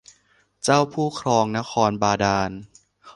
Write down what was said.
เจ้าผู้ครองนครบาดาล